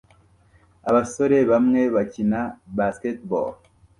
Abasore bamwe bakina basketball